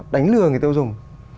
đánh lừa người tiêu dùng